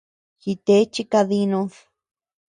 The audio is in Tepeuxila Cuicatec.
Jite chi kadinud.